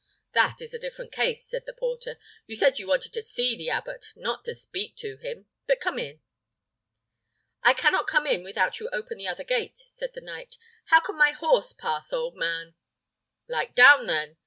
"That is a different case," said the porter; "you said you wanted to see the abbot, not to speak to him. But come in." "I cannot come in without you open the other gate," said the knight. "How can my horse pass, old man?" "Light down, then!"